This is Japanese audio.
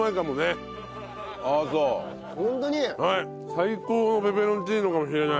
最高のペペロンチーノかもしれない。